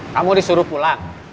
kamu disuruh pulang